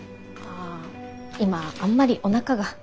あ今あんまりおなかが。